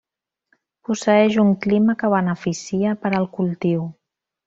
Posseeix un clima que beneficia per al cultiu.